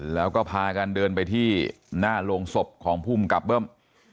แล้วก็พากันเดินไปที่หน้าโรงศพของภูมิกับเบิ้ม